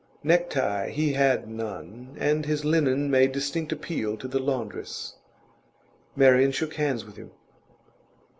Necktie he had none, and his linen made distinct appeal to the laundress. Marian shook hands with him.